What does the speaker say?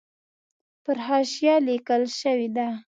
پر حاشیه لیکل شوې ده.